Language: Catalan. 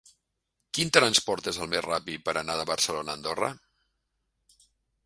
Quin transport és el més ràpid per anar de Barcelona a Andorra?